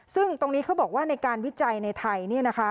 ซึ่งตรงนี้เขาบอกว่าในการวิจัยในไทย